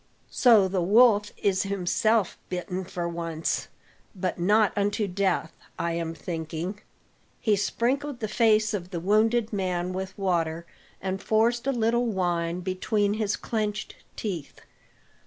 So the wolf is himself bitten for once; but not unto death, I am thinking." He sprinkled the face of the wounded man with water, and forced a little wine between his clenched teeth.